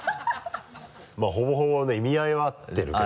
まぁほぼほぼね意味合いは合ってるけど。